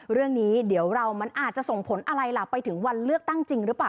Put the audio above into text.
เรื่องนี้เดี๋ยวเรามันอาจจะส่งผลอะไรล่ะไปถึงวันเลือกตั้งจริงหรือเปล่า